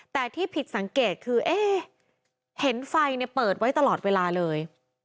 แต่ที่ผิดสังเกตคือเอ๊ะเห็นไฟเปิดไว้ตลอดเวลาเลย